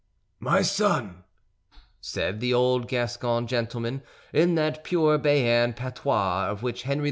"My son," said the old Gascon gentleman, in that pure Béarn patois of which Henry IV.